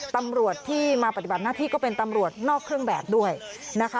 ตำรวจที่มาปฏิบัติหน้าที่ก็เป็นตำรวจนอกเครื่องแบบด้วยนะคะ